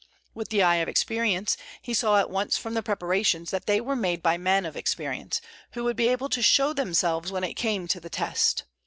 With the eye of experience, he saw at once from the preparations that they were made by men of experience, who would be able to show themselves when it came to the test.